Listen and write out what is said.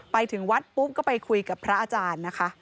ไปถึงวัดปุ๊บก็ไปคุยกับพระอาจารย์นะคะ